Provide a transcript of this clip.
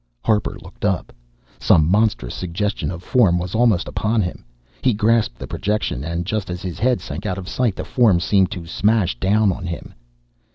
Harper looked up. Some monstrous suggestion of Form was almost upon him. He grasped the projection and just as his head sank out of sight the Form seemed to smash down on him.